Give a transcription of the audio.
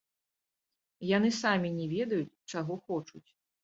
Яны самі не ведаюць, чаго хочуць.